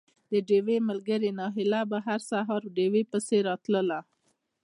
د ډېوې ملګرې نايله به هر سهار ډېوې پسې راتله